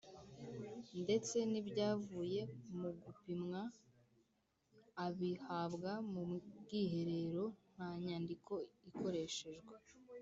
ndetse n’ibyavuye mu gupimwa abihabwa mu bwiherero nta nyandiko ikoreshejwe.